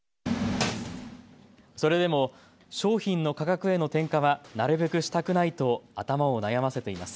それでも商品の価格への転嫁はなるべくしたくないと頭を悩ませています。